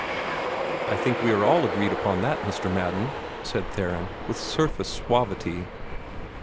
"I think we are all agreed upon that, Mr. Madden," said Theron, with surface suavity.